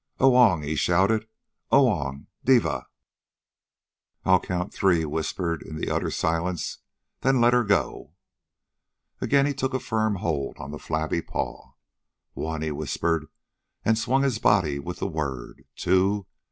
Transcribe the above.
"Oong," he shouted, "Oong devah!" "I'll count three," he whispered in the utter silence. "Then let 'er go!" Again he took a firm hold on the flabby paw. "One," he whispered, and swung his body with the word. "Two